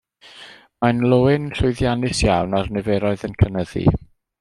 Mae'n löyn llwyddiannus iawn a'r niferoedd yn cynyddu.